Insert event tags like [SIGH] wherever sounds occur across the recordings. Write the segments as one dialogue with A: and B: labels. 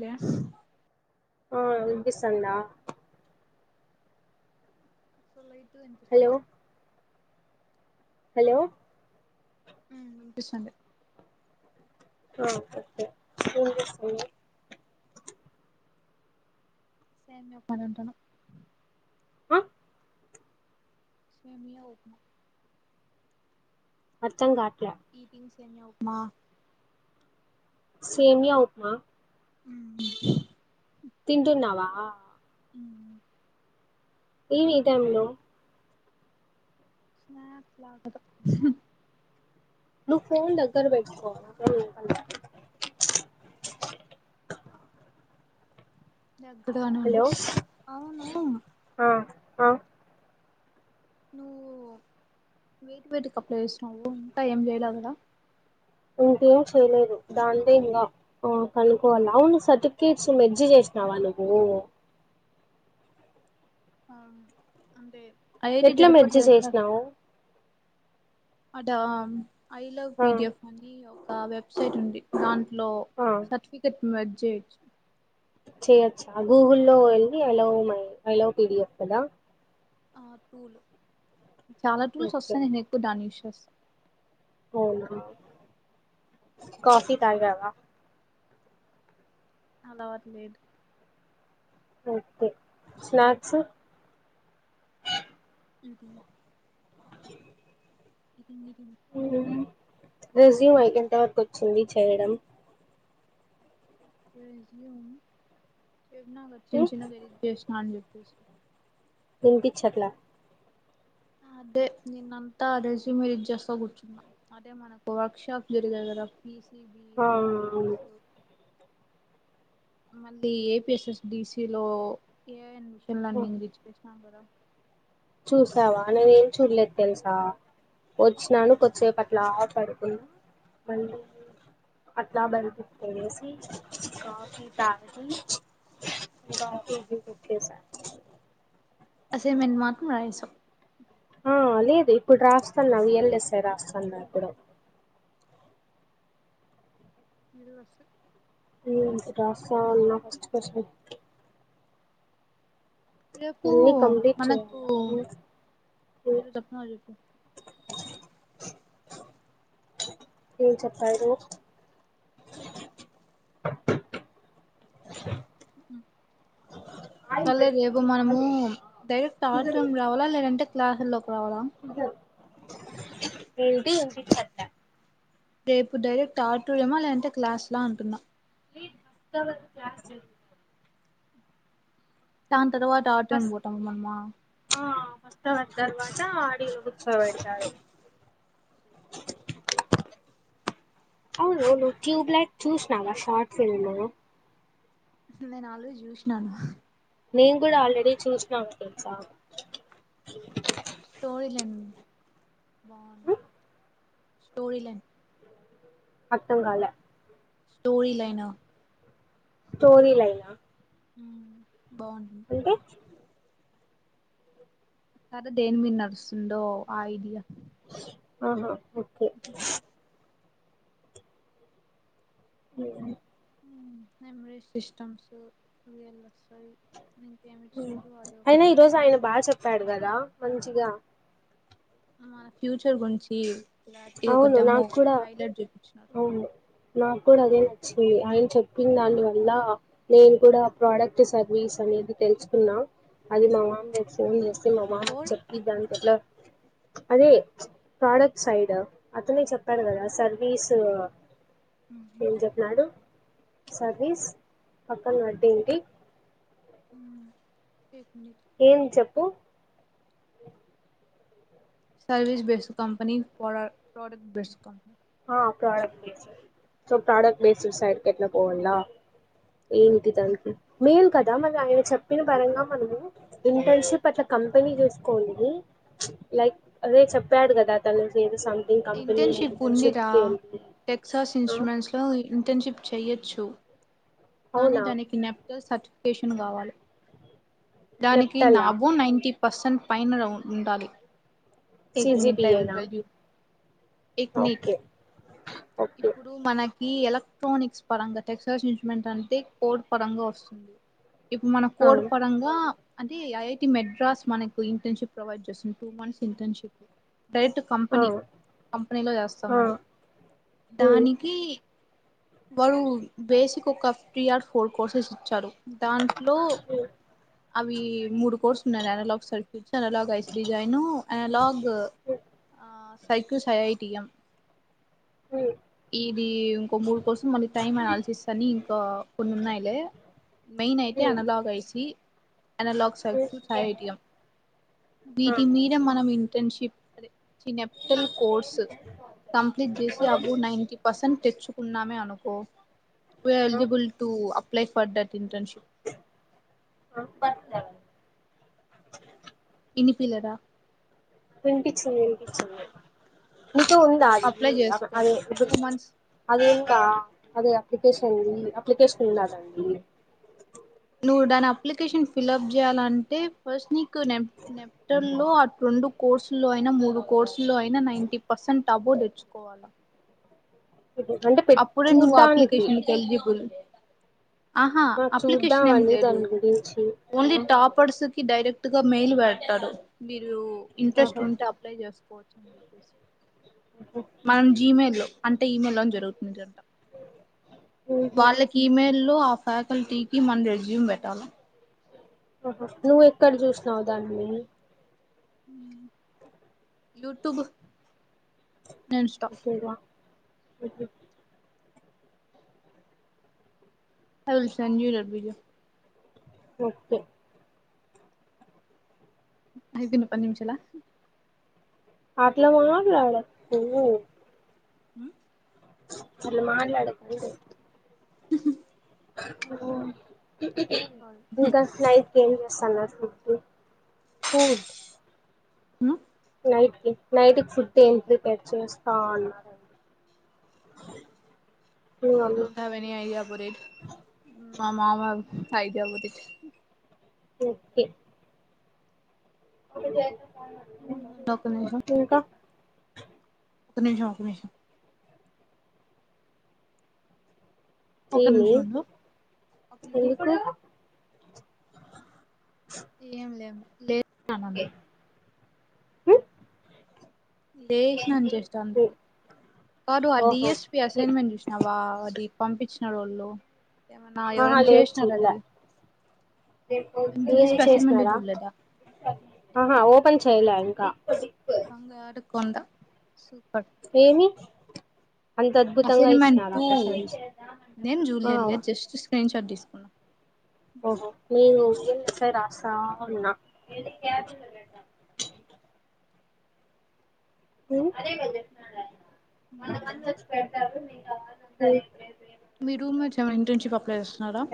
A: క్యా
B: ఆ ఇపిస్థాందా
A: సలై తు
B: హలో
A: ఇన్పిస్తోంది
B: హలో
A: అ వినిపిస్తాంది
B: ఆ ఓకే ఇప్పుడు ఇనిపిస్తాందా
A: సేమ్ చెప్పాలంటన్నావ్
B: ఆ
A: సేమియా ఉప్మా
B: అర్థం గా
A: ఈ థింగ్స్ సేమియా ఉప్మా
B: సేమియా ఉప్మా
A: హ్మ్
B: తింటున్నావా ఏమీ ఈ టైం లో
A: స్నాక్స్ లాకతో
B: నువ్వు ఫోన్ దగ్గర బెట్టుకో వినపల్లా
A: దగ్గడగానే ఉండు
B: ఆ ఆ
A: నువ్వు వేటి వేటి కప్పుల ఏసినావు ఇంకా ఏం జెయలా కదా
B: ఇంకేం చేయలేదు దానికే ఇంగా ఆ కనుకోవాల్ల అవును సర్టిఫికేట్స్ మెజ్జ్ జేసినావా నువ్వు
A: అ అంటే ఐఐటి
B: ఎట్లా మెర్జ్ జేసినావ్
A: అద ఐ లవ్
B: ఆ
A: పిడిఎఫ్ అ వెబ్సైట్ ఉంది దన్ లో
B: ఆ
A: సర్టిఫికెట్ మజేటి
B: గూగుల్లో వెళ్ళి ఐలో మై ఐలో పిడిఎఫ్ కదా
A: ఆ టూలు చాలా టూల్స్
B: ఓకే
A: వస్తాయి నేన్ ఎక్కువ దాన్నియుష్ స్
B: కాఫీ తాగావా
A: అలావట్లేదు
B: ఓకే స్నాక్స్
A: ఇది
B: [INAUDIBLE]
A: ఇన్నదిని
B: రెజ్యూమ్ అయికేంత వరకు వచ్చింది చేయడం
A: బెల్జియంయం [INAUDIBLE] చిన్న
B: ఉమ్,
A: చిన్న వేరుఫికేషన్ అండి స [INAUDIBLE]
B: వినాపించట్లే
A: అదే నేనంతా అ రేజ మీరు చేస్తా కూర్చున్నా అదే మనకు వర్క్ షాప్ జరుగదు కదా ఫీ సిటిబీ
B: ఆ
A: రోబోట్స్
B: అవును.
A: మళ్ళీ ఏపిఎస్ఎస్ డిసిలో ఏ అడి ఇంగ్ రచ్ేసిన పోద
B: చూసావా నేనేం చూడలేదు తెలుసా వచ్చినాను కొద్దిసేపు అట్లా పడుతుంది మళ్ళీ అట్లా బల్కుసి కాఫీ తకి కాఫీ ఇట్టసా
A: అసే మెమాత్ మరాయి స
B: ఆ లేదు ఇప్పుడు రాస్తాన్నాయల్స్తాయి రాస్తుాన్నా ఇప్పుడు
A: ఇదివసు
B: రాస ఉస్ట్ కష్ట
A: రేపు
B: అన్ని కంప్లీట్
A: మనకు
B: చేయాలా ఉమ్,
A: మీ తప్పవ చెేపు
B: ఏం చెప్పారు
A: [INAUDIBLE]
B: ఆయిల్
A: సరలేే రేపు
B: పెట్టుకొని
A: మనము
B: కాల్
A: డైరెక్ట్ ఆటం రావాలా లేదంటే లలాలక్
B: [INAUDIBLE] ఎంది వినిపించట్లే
A: రేపు డైరెక్ట్ ఆడిటోరియం ఆ లేదంటే క్లాస్ లా అంటున్నా
B: [INAUDIBLE]
A: టాం తరువాత ఆటోం పోటమ మనామా
B: వస్తవన్ తర్వాతా ఆడియో కూర్చోపెడతారు అవునువును ట్యూ బ్లైట్ చూస్ నాషినవా షా ట్ సినిమా
A: నేను ఆల్రెడీ చూస్నాను
B: నేను కూడా ఆల్రెడి చూస్నాను తెల్సా
A: స్టోరీ లను స్టో [UNINTELLIGIBLE]
B: అర్థం కాలే
A: స్టోరీ లైనా
B: స్టోరీ లైన్ ఆ
A: ఉం బాగుంటుంది కథ దేని మీ నడుస్తుందో ఆ ఐడియా
B: ఆహా ఓకే [INAUDIBLE]
A: మెమరీ సిస్టమ్స్ [UNINTELLIGIBLE] ఇచ్చినారు అది
B: అయినా
A: ఒకటి
B: ఈరోజు ఆయన
A: ఇచ్చినారు
B: బాగా చెప్పాడు కదా మంచిగా
A: ఆ ఫ్యూచర్ గురించి ఇలాంటి ఒక
B: అవును నా
A: డెమో
B: కూడా
A: ట్రైలర్ చూపించినారు
B: అవును నాకు కూడా అదే వచ్చింది ఆయన చెప్పిన దాని వల్ల నేను కూడా ప్రోడక్ట్ సర్వీస్ అనేది తెలుసుకున్నా అది మా మామయ కు ఫోన్ చేస్ స్తా మా మామ కి
A: కోర్
B: చెప్పి దాని పట్లా అదే ప్రాడక్ట్ సైడ్ అతనే చెప్పాడు కదా సర్వీసు ఏం చెప్నాడు సర్వీస్ పక్కన అడ్డేంటి
A: ఉం ఎక్ మినిట్
B: ప్పు
A: సర్వస్ best company product best company
B: ఆ product base so product base side కి ఎట్ల పోవ్వల్ల ఏంటి తననికి మెయిన్ కదా మరి ఆయన చెప్పిన పరంగా మనము ఇంటర్న్షిప్ అట్లా కంపెనీ చూసుకోనీ లైక్ అదే చెప్పాడు కదా తను some company internship
A: Texas Instruments లో ఇంటర్న్షిప్ చెయొచ్చు కానీ
B: అవునా
A: దానికి నెప్టల్ సర్టిఫికేషన్ కావాలి దానికి
B: నెప్టలా
A: నాబో నైన్టీ పర్సంట్ ఫైనల్ లో ఉండాలి ఎగ్నిట్ టై
B: సిజిపిఏనా
A: వాల్ యు ఎగ్నిట్
B: ఓకే ఓకే
A: ఇప్పుడు మనకి ఎలక్ట్రానిక్స్ పరంగా టెక్స్టైల్స్ ఇన్స్ట్రుమెంట్ అంటే కోడ్ పరంగా వస్తుంది ఇప్పు మన
B: ఆ
A: కోడ్ పరంగా అంటే ఐటి మెడ్రాస్ మనకు ఇంటర్న్షిప్ ప్రొవైడ్ చేస్తుాంది టూ మంత్స్ ఇంటర్న్షిప్ క డైరెక్ట్
B: ఆ
A: కంపెనీ కంపెనీలో చేస్తాం
B: ఆ
A: మనం
B: ఉమ్
A: దానికి వారు బేసిక్ ఒక త్రీ ఆర్ ఫోర్ కోర్సెస్ ఇచ్చారు దాంట్లో
B: ఉమ్
A: అవి మూడు కోర్స్ ఉన్నారు అనలాగ్ సెల్ఫ్ డిజ్ అనలాగ్ ఐసిడి జాయిన్ అనలాగ్ సైకు సయైటిఎం
B: ఉమ్
A: ఇది ఇంకోముూడు కోసం మళ్ళీ టైమ్ అనాలిసిస్ అని ఇంకా కొన్ని ఉన్నాయిలే మెయిన్ అయితే
B: ఉమ్ ఉమ్
A: అనలాగ్ ఐసి అనలాగ్ సై
B: ఉమ్,
A: ఐఐటీయమ్
B: ఆ
A: వీటి మీద మనం ఇంటర్న్షిప్ అదే ఈ నెప్టల్ కోర్సు కంప్లీట్ చేసి అబో నైన్ంటి పర్సెంట్ తెచ్చుకున్నామే అన్ అనుకో ఉయ్
B: ఆ
A: eligible to apply for that internship
B: [INAUDIBLE]
A: ఇనిపిలేదా
B: వినిపించింది వినిపించింది మీకుతో ఉందా అది
A: అప్లై
B: అదే
A: చేసుకోవచ్చు
B: ఇప్పుడు
A: టూ మంత్స్
B: అదే అదే అప్లికేషన్ అప్లికేషన్ ఉండదండి
A: నువ్వు దాని అప్లికేషన్ ఫిల్అప్ చేయాలంటే ఫస్ట్ నీ కు నేప్ నెప్టల్లో అట్ రెండు కోర్సుల్లో అయినా మూడు కోర్సు లో అయినా నైన్టీ పర్సెంట్ టబు తెచ్చుకోవాలా
B: అంటే పె
A: అప్పుడే నువ్వు
B: చూడ్డానికి
A: అప్లికేషన్ ఎలిజిబుల్ ఆహా
B: ఆ
A: అప్లికేషన్ ఏమి
B: చూద్దామని
A: లేదు
B: దాని గురించి
A: ఓన్లీ
B: ఆ,
A: టాపర్స్ డైరెక్ట్ గా మెయిల్ పెడతారు మీరు ఇంట్రెస్ట్
B: ఆహా
A: ఉంటే అప్లై చేసుకోవచ్చు చడిసి [INAUDIBLE] మనం జీమెయి లో అంటే ఈమెయిల్ లో జరుగుతుందింట
B: ఉహు
A: వాళ్ళకి ఇమెయిల్ లొ ఆ ఫ్యాకల్టీకి మనం రెజ్యూమ్ పెట్టాలి
B: ఆహా నువ్వు ఎక్కడ చూసినావు దానిని
A: యూట్యూబ్
B: అకేవా ఓకే
A: అల్సూ ర బజ
B: ఓకే
A: అప్పున్నప్పం నిమిషాల
B: ఆట్లా మట్లాడ
A: హ
B: అల మాట్ అడకు ఓ ఇంకా స్యి కేంద్ర స్థన ఫ ఫూడ్
A: హ
B: నైట్ క నైట్కి ఫుడ్ ఏం ప్రిపేర్ చేస్తా అ
A: వఐడియా ప [UNINTELLIGIBLE] మా మా మా అయిదబది
B: ఓకే అ
A: ఒక్క నిమిషం
B: [INAUDIBLE]
A: ఒక నిమిషం ఒక్క నిమిషం ఒక్క
B: చేయలే
A: నిమిషం ఉండు ఒక్క నిమిషం
B: ఎందుకు
A: ఏం లేం దే నంద లేసినాని చేస్తా
B: ఉ
A: అందుకే కాదు ఆ
B: ఓహో
A: డిీఎస్పి అసైన్మెంట్ చూసినా వా పంపించినడు వాళ్ళు ఏమన్నా
B: ఆహా
A: ఎవరైనా
B: లేదు
A: చేసినారా
B: చూడలే
A: అది
B: మీరు
A: డిఎస్పి అసైన్మెంటే
B: చూసినరా
A: చూడలేదా
B: ఆహా ఓపెన్ చేయలే ఇంకా
A: బంగారుకొండ సూపర్
B: ఏమి అంత అద్భుతంగా ఇచ్చినాడా
A: అసైన్మెంట్
B: క్వశ్చన్స్
A: నేను
B: ఆ
A: చూడలేదు లే జస్ట్ సైన్ పటీస్కున్న
B: ఓహో నేను ఎసై రాస్తా ఉన్న హ్మ్ అ మంది వచ్చతారు అయిపీంది
A: మీ రూమ్మెట్స్ ఎవరైన ఇంటర్న్షిప్ అప్లై చేస్తున్నారా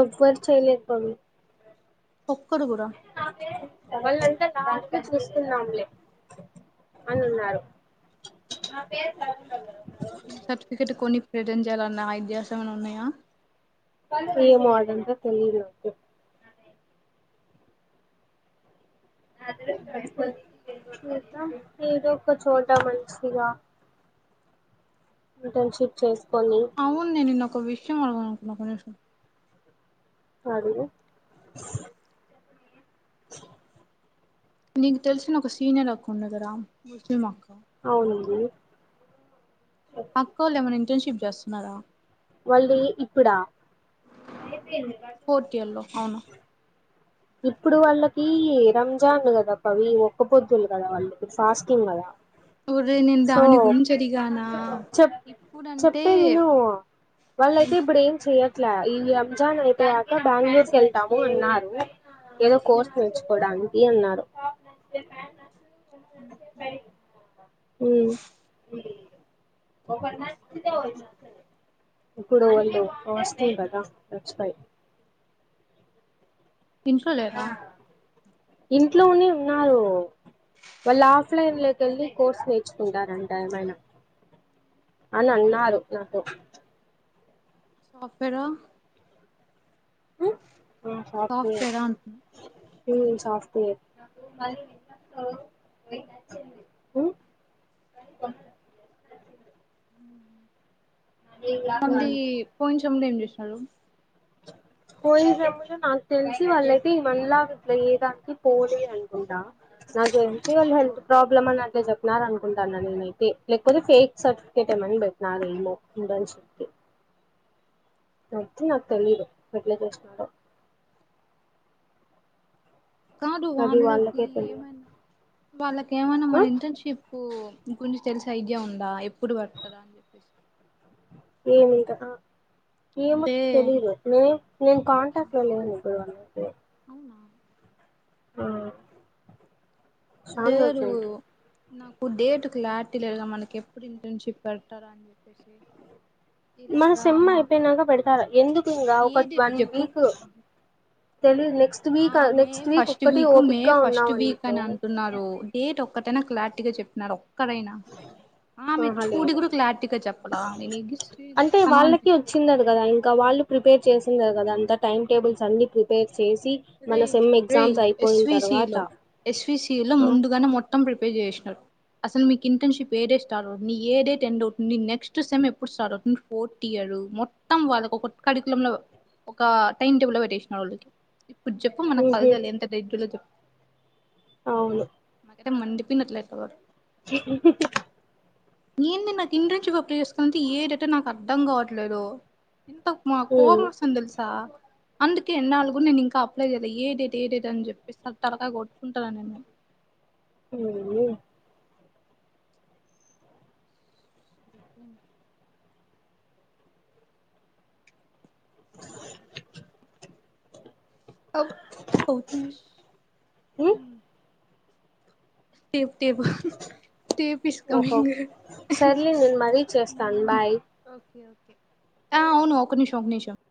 B: ఎవ్వరు చెయ్యలేదు పని
A: ఒక్కడు కూడా
B: ంత చూస్తున్నాంలే అని ఉన్నారు
A: సర్టిఫికెట్ కొని ప్రిటండ్ చేయాలన్నా ఐడియాస్ ఏమైనా ఉన్నాయా
B: ఏమో అదంతా తెలీదు అదపో ఏదో ఒక చోట మంచిగా ఇంటర్న్షిప్ చేస్త
A: అవును నేను నిన్నొక వి షం అడగాలనుకున్న
B: అడుగు
A: నీకు తెలిసిన ఒక సీనియర్ అక్క ఉంది కదా మ అక్క
B: అవునండి
A: అక్కోల్లు ఏమైనా ఇంటర్న్షిప్ చేస్తున్నారా
B: వాళ్ళీ ఇప్పుడా
A: ఫోర్త్ ఇయర్ లో అవునా
B: ఇప్పుడు వాళ్ళకి రంజాన్ కదా పవి ఒక్క పొద్దులు కదా వాళ్ళకి ఫాస్టింగ్ కదా
A: ఒరేయ్ నేను
B: సో
A: దాని గురించి అడిగానా
B: చెప్
A: ఇప్పుడంటే
B: చెప్పేదిను వాళ్ళయితే
A: ఇంకా
B: ఇప్పుడు ఏం చెయాల ఈ రంజాన్ అయిపోయాక బెంగళూర్కి వెళ్తాము అన్నారు ఏదో కోర్స్ నేర్చుకోవడానికి అన్నారు
A: హ
B: హ్మ్ ఇప్పుడు వస్తాయ్ కదా నచ్చుతాయ్
A: ఇంట్లో లేరా
B: ఇంట్లోనే ఉన్నారు వాళ్ళు ఆఫ్లైన్ లోక వెళ్ళి కోర్స్ నేర్చుకుంటారంట ఏమైనా అని అన్నారు నాతో
A: సాఫ్ట్వేర్
B: ఉమ్
A: సాఫ్ట్ వేర్ ఆ అంట
B: ఉమ్ సాఫ్ట్ వేర్
A: మళ్ళీ
B: మ్మ్
A: పోయించము తిండ్రి హల్లోమ్
B: పోయింద్రేమోరె నాకు తెలిసి వాళ్ళయితే, ఇమన్నాల్లా ఇట్లా ఏ దానికి పోలేదు అనుకుంటా, నాకు తెలిసి వాళ్ళు హెల్త్ ప్రాబ్లమ్ అని, అట్లా చెప్పినారు. అనుకుంటాన్న నేనైతే లేకపోతే ఫేక్ సర్టిఫికేట్ ఏమని పెట్టినార, ఏమో ఇంటర్న్షిప్ కి నొచ్చి నాకు తెలిదు ఎట్ల చేసినాడో
A: కాదు
B: అది
A: వాన్లకి
B: వాళ్ళకే తెలియదు
A: ఏమని వాళ్ళకి ఏమన్నా మన
B: ఆ
A: ఇంటర్న్షిప్పు ఇం కొంచెం తెల్స ఐడియా ఉందా ఎప్పుడు పడతార్ అని చెప్పేసి
B: ఏమింకా ఆ ఏమె
A: అంటే
B: తెలిదు నే నేను కాంటాక్ట్ లో లేను ఇప్పుడు వాళ్ళకి ఆ
A: అహా
B: చానా
A: లేరు
B: రోజులైంది
A: నాకు డేట్ క్లారిటీ లేదుగా, మనకి ఎప్పుడు ఇంటర్న్షిప్ పెడతారా అని చెప్పేసి
B: మన
A: ఇలాగా
B: సమ్మ
A: మా
B: అయిపోయినాక పెడతారా ఎందుకు ఇంకా
A: ఏ
B: ఒక
A: డేట్
B: వన్
A: చెప్పు
B: వీక్ తెలీదు నెక్స్ట్
A: ఆ
B: వీక్
A: మే
B: నెక్స్ట్ వీక్
A: ఫస్ట్
B: ఒక్కటి
A: మే
B: ఓపిక్ గా
A: ఫస్ట్
B: ఉన్నాం
A: వీక్
B: అనుకో
A: అని అంటున్నారు డేట్ ఒక్కటైనా క్లాటీగా చెప్నారు ఎక్కడైనా ఆ మీ
B: ఆహా
A: చూడి
B: లేదు
A: కూడా క్లటీగా చెప్పాల
B: అంటే చేసిందరు కదా అంతా టైమ్ టేబుల్స్ అన్ని ప్రిపేర్ చేసి
A: రే
B: మన సెమ్
A: రే
B: ఎగ్జామ్స్ అయిపోయిన తర్వాత
A: ఎస్విసిలో ఎస్విసిలో
B: ఆ
A: ముందుగానే మొత్తం ప్రిపేర్ చేసినారు అసలు మీకు ఇంటర్న్షిప్ ఏ డే స్టార్ట్ అవుతుంది నీ ఏ డే ట ఎడ్ అవుతుంది, నీ నెక్స్ట్ సెమ్ ఎప్పుడు స్టార్ట్ అవుతుంది, ఫోర్ట్ ఇయర్ మొత్తం వాళ్ళ కరికుల లో ఒక టైం టేబుల్ లో పెట్టేసినారు వాళ్ళకి ఇప్పుడు చెప్పు మనకు
B: ఊహు
A: కలదాలి ఎంత [UNINTELLIGIBLE] చెప్ప
B: అవును
A: నాకైతే మండిపోయింది అట్లే [UNINTELLIGIBLE] ఏంది మే నా ఇంటి నుంచి [UNINTELLIGIBLE] చేసుకునే ఏ డాటనో నాకు అర్ధం కావట్లేదు ఇంత మా
B: ఊ
A: కోపమ్ వస్తా ఉంది తెల్సా అందుకె ఇన్నాళ్లు నేన్ ఇం అప్లై చేయాలె ఏ డేట ఏ డేట అని చెప్పి తలకాయ కొట్టుకుంటాన్నా నేను
B: మ్ హు
A: ఓ మ్
B: ఊ
A: టేప్ టేప్ టేప్ ఇస్
B: ఓహో
A: కమింగ్
B: సర్లే నేను మరీ చేస్తాను
A: మ్
B: బాయ్
A: ఓకే ఓ అవును ఒక నిమిషం ఒక నిమిషం